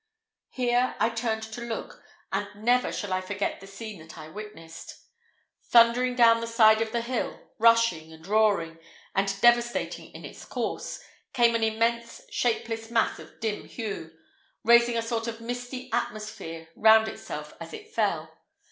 Here I turned to look, and never shall I forget the scene that I witnessed. Thundering down the side of the hill, rushing, and roaring, and devastating in its course, came an immense shapeless mass of a dim hue, raising a sort of misty atmosphere round itself as it fell.